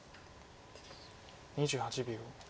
２８秒。